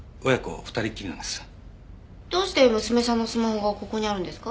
どうして娘さんのスマホがここにあるんですか？